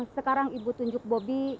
sekarang ibu tunjuk bobby